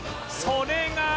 それが